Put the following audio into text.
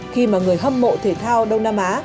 khi mà người hâm mộ thể thao đông nam á